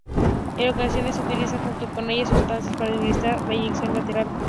En ocasiones, se utiliza junto con otras sustancias para administrar la inyección letal.